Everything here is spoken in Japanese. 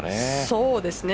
そうですね。